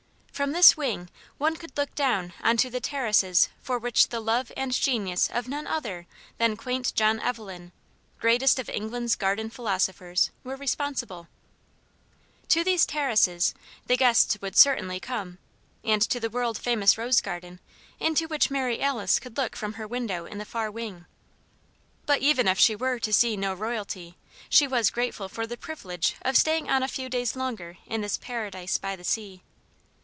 From this wing one could look down on to the terraces for which the love and genius of none other than quaint John Evelyn greatest of England's Garden Philosophers were responsible. To these terraces the guests would certainly come, and to the world famous rose garden into which also Mary Alice could look from her window in the far wing. But even if she were to see no royalty, she was grateful for the privilege of staying on a few days longer in this Paradise by the sea.